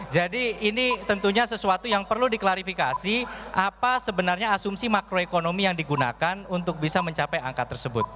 jadi ini tentunya sesuatu yang perlu diklarifikasi apa sebenarnya asumsi makroekonomi yang digunakan untuk bisa mencapai angka tersebut